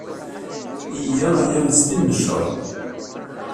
Iga aya s tin n cceṛ.